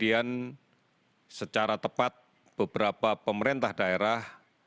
inilah yang kemudian secara tepat beberapa pemerintah daerah